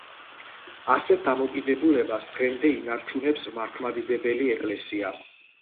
ასეთ დამოკიდებულებას დღემდე ინარჩუნებს მართლმადიდებელი ეკლესია.